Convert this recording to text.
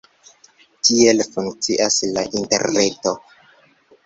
Tiel funkcias la interreto.